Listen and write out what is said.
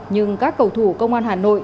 nhưng các cầu thủ công an hà nội